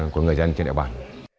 của người dân trên địa bàn